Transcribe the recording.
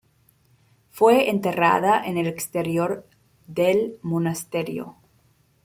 Fue enterrada en el exterior del monasterio.